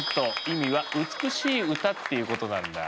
意味は「美しい歌」っていうことなんだ。